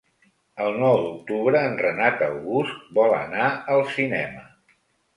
El nou d'octubre en Renat August vol anar al cinema.